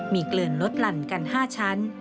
มีเกลินลดหลั่นกัน๕ชั้น